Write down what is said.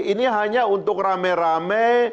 ini hanya untuk rame rame